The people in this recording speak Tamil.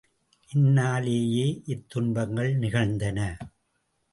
என்னாலேயே இத் துன்பங்கள் நிகழ்ந்தன.